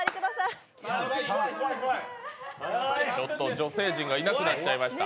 女性陣がいなくなっちゃいました。